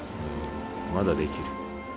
まだできる。